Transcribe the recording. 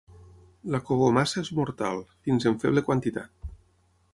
La cogomassa és mortal, fins en feble quantitat.